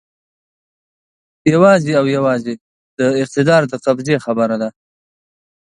یوازې او یوازې د اقتدار د قبضې خبره ده.